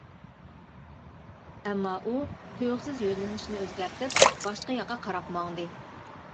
ئەمما ئۇ تۇيۇقسىز يۆلىنىشىنى ئۆزگەرتىپ باشقا ياققا قاراپ ماڭدى.